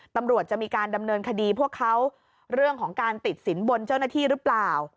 ตำรวจจะมีการดำเนินคดีพวกเขาเรื่องของการติดสินบนเจ้าหน้าที่หรือเปล่า